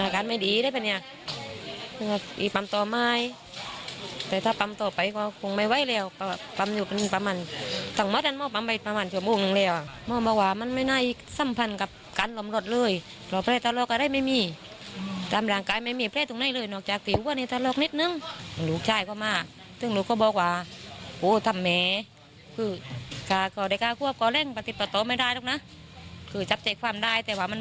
คนไทยไม่มีอะการไม่ดีเลยเพราะเนี่ยอีกปันต่อไม่ไว้แต่ถ้าปันตอกไปก็คงไม่ไว้แล้วปั